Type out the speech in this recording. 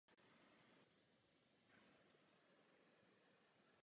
Všem lpěly na mysli hrozné noviny.